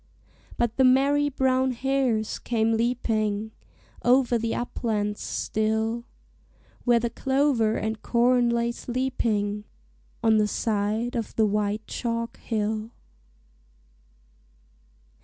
But the merry brown hares came leaping Over the uplands still, Where the clover and corn lay sleeping On the side of the white chalk hill.